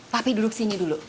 papi duduk sini dulu